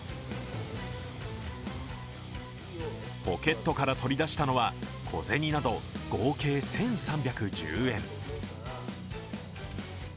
ポケットから取り出したのは小銭など合計１３１０円。